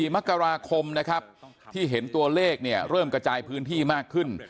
มกราคมนะครับที่เห็นตัวเลขเนี่ยเริ่มกระจายพื้นที่มากขึ้น